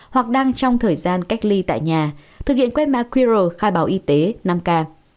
hoặc đang trong thời gian cách ly tại nhà thực hiện quét mã qr khai báo y tế năm k